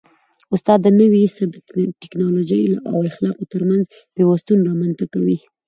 استاد د نوي عصر د ټیکنالوژۍ او اخلاقو ترمنځ پیوستون رامنځته کوي.